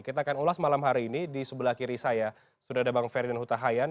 kita akan ulas malam hari ini di sebelah kiri saya sudah ada bang ferdinand huta hayan